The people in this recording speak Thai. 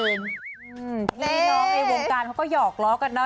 พี่น้องในวงการเขาก็หอกล้อกันเนอ